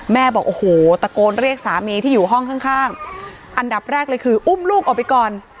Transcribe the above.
บอกโอ้โหตะโกนเรียกสามีที่อยู่ห้องข้างอันดับแรกเลยคืออุ้มลูกออกไปก่อน